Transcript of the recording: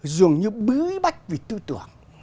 dường như bí bách vì tư tưởng